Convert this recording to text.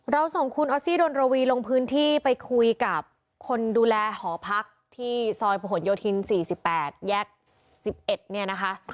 เราส่งคุณออสซี่ดนรวีลงพื้นที่ไปคุยกับคนดูแลหอพักที่ซอยประหลโยธิน๔๘แยก๑๑เนี่ยนะคะ